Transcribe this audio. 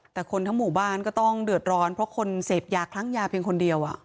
แต่คนทั้งหมู่บ้านก็ต้องเดือดร้อนเพราะคนเสพยาคลั้งยาเพียงคนเดียว